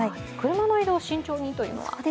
車の移動、慎重にというのは？